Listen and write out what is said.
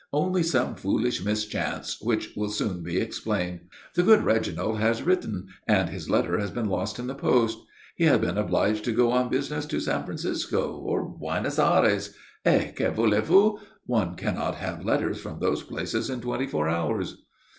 "Only some foolish mischance which will soon be explained. The good Reginald has written and his letter has been lost in the post. He has been obliged to go on business to San Francisco or Buenos Ayres et, que voulez vous? one cannot have letters from those places in twenty four hours."